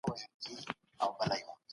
خو اسراف پيل سي.